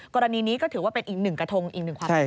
กรณีนี้ก็ถือว่าเป็นอีกหนึ่งกระทงอีกหนึ่งความจริง